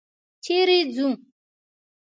چېرې ځو؟